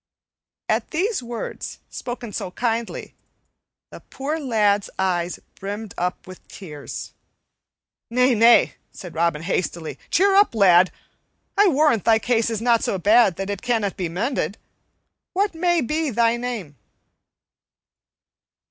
At these words, spoken so kindly, the poor lad's eyes brimmed up with tears. "Nay, nay," said Robin hastily, "cheer up, lad; I warrant thy case is not so bad that it cannot be mended. What may be thy name?"